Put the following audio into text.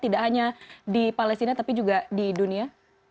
tidak hanya di palestina tapi juga di dunia